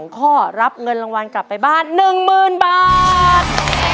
ข้อรับเงินรางวัลกลับไปบ้าน๑๐๐๐บาท